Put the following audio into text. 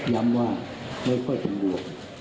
ย้ำว่าไม่ค่อยต้องมวก